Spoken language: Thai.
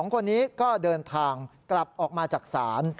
๒คนนี้ก็เดินทางกลับออกมาจากศาล